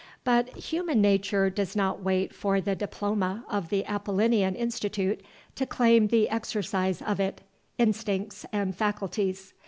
But human nature does not wait for the diploma of the Apollinean Institute to claim the exercise of it, instincts and faculties.